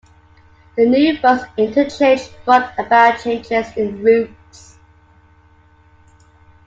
The new bus interchange brought about changes in routes.